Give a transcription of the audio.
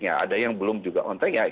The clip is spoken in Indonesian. ada yang belum juga on track